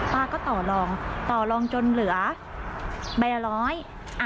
ป้าก็ต่อลองต่อลองจนเหลือใบละร้อย